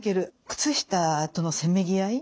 靴下とのせめぎ合い？